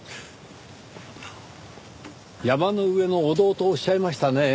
「山の上の御堂」とおっしゃいましたねぇ。